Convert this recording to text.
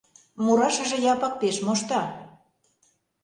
Мурашыже Япык пеш мошта.